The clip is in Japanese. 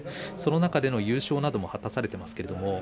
その中で優勝も果たされています。